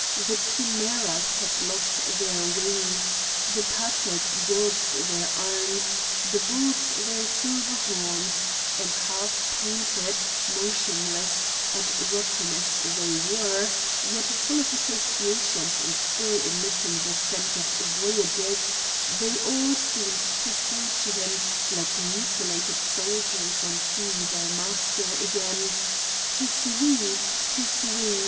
The chimaeras had lost their wings, the Patæc Gods their arms, the bulls their silver horns;—and half painted, motionless, and rotten as they were, yet full of associations, and still emitting the scent of voyages, they all seemed to say to him, like mutilated soldiers on seeing their master again, "'Tis we! 'Tis we!